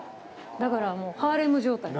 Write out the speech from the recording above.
だからもうハーレム状態。